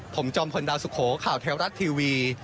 ผมจอมพลดาวสุโขข่าวเทวรัฐทีวี